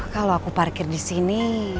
kalau aku parkir disini